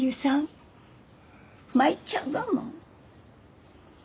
参っちゃうわもう。